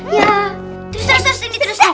terus terus terus